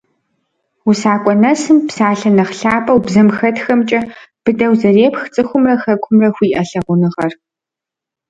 УсакӀуэ нэсым, псалъэ нэхъ лъапӀэу бзэм хэтхэмкӀэ, быдэу зэрепх цӀыхумрэ Хэкумрэ хуиӀэ лъагъуныгъэр.